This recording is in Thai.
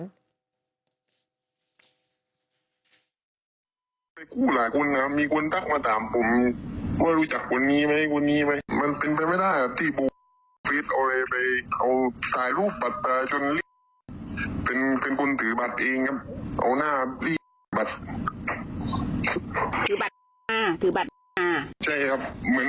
ผมไม่ได้รับรู้เลยว่าเงินที่กู้เป้าหมายนะครับ